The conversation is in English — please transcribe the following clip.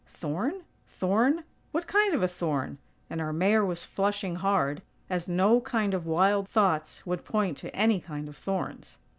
"Thorn? Thorn? What kind of a thorn?" and our Mayor was flushing hard, as no kind of wild thoughts would point to any kind of thorns.